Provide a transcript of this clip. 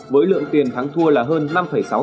với lượng tiền thắng thua là hơn năm sáu tỷ đồng